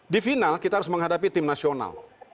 di final kita harus menghadapi tim nasional